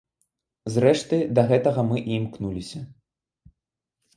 Зрэшты, да гэтага мы і імкнуліся.